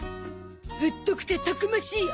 ぶっとくてたくましい脚。